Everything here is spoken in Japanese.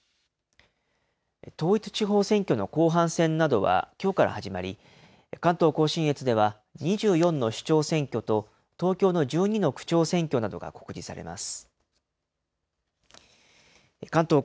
統一地方選挙の後半戦などはきょうから始まり、関東甲信越では、２４の市長選と東京の１２の区長選挙などが告示されます。